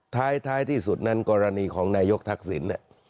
ท้ายที่สุดนั้นกรณีของนายกทักษิณ